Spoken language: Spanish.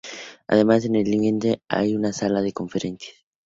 Además, en este nivel hay una sala de conferencias.